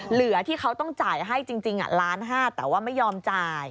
เหลือที่เขาต้องจ่ายให้จริงล้านห้าแต่ว่าไม่ยอมจ่าย